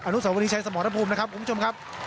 อนุสาวรีใช้สมรพมนะครับคุณผู้ชมครับ